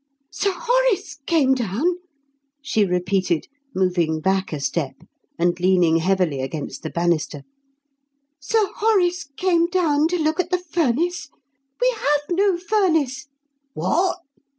"Sir Horace came down?" she repeated, moving back a step and leaning heavily against the bannister. "Sir Horace came down to look at the furnace? We have no furnace!" "What!"